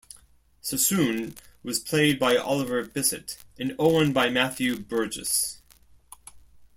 Sassoon was played by Oliver Bisset, and Owen by Matthew Burgess.